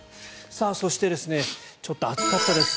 そして、ちょっと暑かったです。